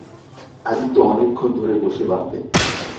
আদিত্য অনেকক্ষণ ধরে বসে ভাবলে।